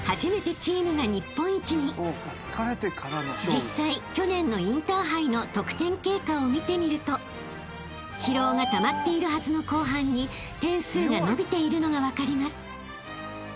［実際去年のインターハイの得点経過を見てみると疲労がたまっているはずの後半に点数が伸びているのが分かります］